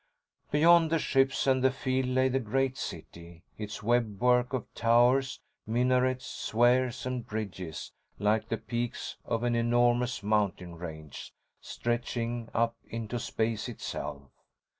Beyond the ships and the field lay the great city, its web work of towers, minarets, spheres and bridges like the peaks of an enormous mountain range stretching up into space itself.